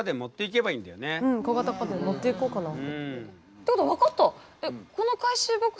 ってことは分かった。